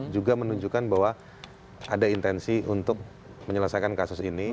juga menunjukkan bahwa ada intensi untuk menyelesaikan kasus ini